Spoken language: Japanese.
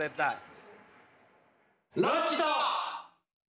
「ロッチと」！